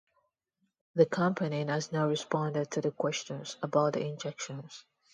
The company has not responded to the questions about the injections.